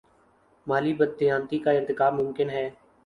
مالی بد دیانتی کا ارتکاب ممکن ہے۔